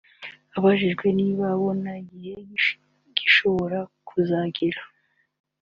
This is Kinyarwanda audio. Abajijwe niba abona igihe gishobora kuzagera